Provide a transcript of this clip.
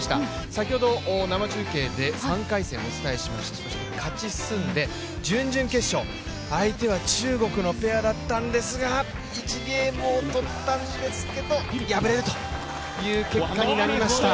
先ほど、生中継で３回戦、お伝えしましたそして勝ち進んで準々決勝、相手は中国のペアだったんですが１ゲームをとったんですけど敗れるという結果になりました。